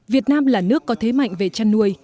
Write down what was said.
việt nam là nước có thế mạnh về chăn nuôi